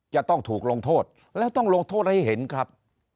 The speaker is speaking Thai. จะต้องถูกลงโทษแล้วต้องลงโทษให้เห็นครับ